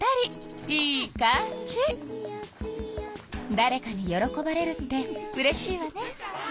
だれかに喜ばれるってうれしいわね。